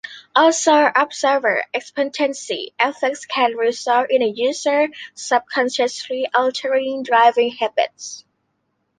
Also, observer-expectancy effect can result in a user subconsciously altering driving habits.